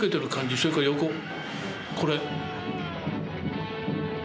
それから横これ。